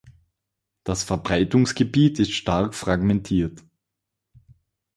Das Verbreitungsgebiet ist stark fragmentiert.